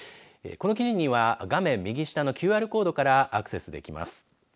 この記事には画面右下のＱＲコードからアクセスできます。